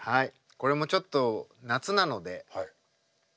これもちょっと夏なので。